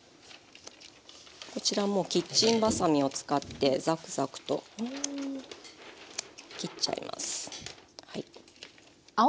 こちらもうキッチンばさみを使ってザクザクと切っちゃいます。